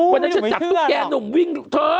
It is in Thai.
มันน่าจะจัดตุ๊กแก่หนุ่มวิ่งลูกเธอ